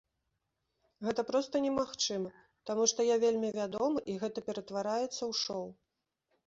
Гэта проста немагчыма, таму што я вельмі вядомы, і гэта ператвараецца ў шоў.